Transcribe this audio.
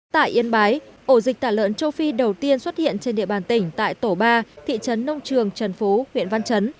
tại yên bái ổ dịch tả lợn châu phi đầu tiên xuất hiện trên địa bàn tỉnh tại tổ ba thị trấn nông trường trần phú huyện văn chấn